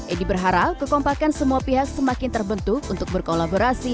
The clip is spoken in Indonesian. edi berharap kekompakan semua pihak semakin terbentuk untuk berkolaborasi